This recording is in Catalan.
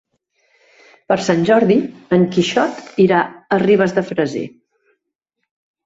Per Sant Jordi en Quixot irà a Ribes de Freser.